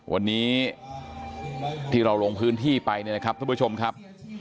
วันนี้ที่เราลงพื้นที่ไปเนี่ยนะครับทุกผู้ชมครับ